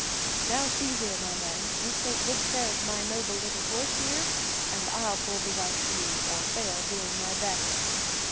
"Now, see here, my man, you take good care of my noble little horse here and I'll pull the wife through, or fail doing my best."